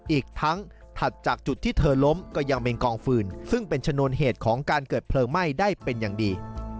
อีกทั้งถัดจากจุดที่เธอล้มก็ยังเป็นกองฟืนซึ่งเป็นชนวนเหตุของการเกิดเพลิงไหม้ได้เป็นอย่างดี